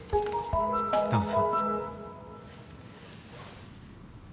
どうぞ。